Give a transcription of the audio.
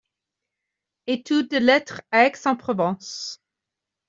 Etudes de lettres à Aix-en-Provence.